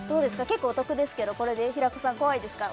結構お得ですけどこれで平子さん怖いですか？